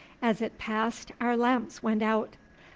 As it passed our lamps went out.